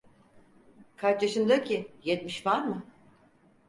Kaç yaşında ki! Yetmiş var mı?